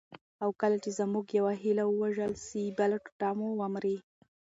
او کله چي زموږ یوه هیله ووژل سي، بله ټوټه مو ومري.